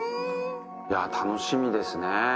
いや楽しみですね。